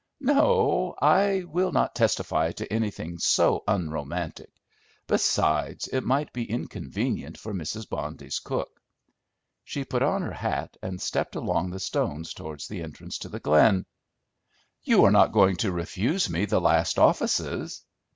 "No, I will not testify to anything so unromantic; besides, it might be inconvenient for Mrs. Bondy's cook." She put on her hat, and stepped along the stones towards the entrance to the glen. "You are not going to refuse me the last offices?"